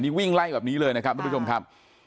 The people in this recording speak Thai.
นี่วิ่งไล่แบบนี้เลยนะครับทุกผู้ชมครับ